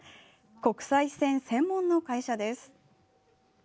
国際線専門の会社です。